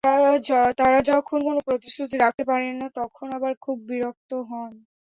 তাঁরা যখন কোনো প্রতিশ্রুতি রাখতে পারেন না, তখন আবার খুব বিরক্ত হন।